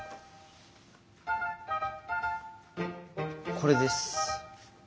これです。